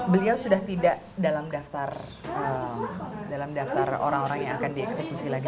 beliau sudah tidak dalam daftar dalam daftar orang orang yang akan dieksekusi lagi